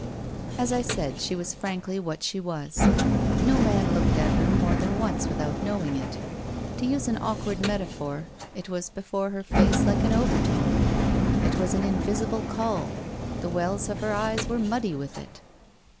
As I said, she was frankly what she was. No man looked at her more than once without knowing it. To use an awkward metaphor, it was before her face like an overtone; it was an invisible caul. The wells of her eyes were muddy with it.